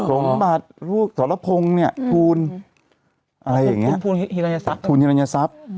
สมบัติลูกสรพงศ์เนี้ยภูมิอะไรอย่างเงี้ยภูมิฮิรายทรัพย์ภูมิฮิรายทรัพย์